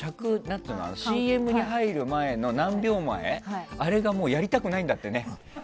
ＣＭに入る前の何秒前がやりたくないんだってね。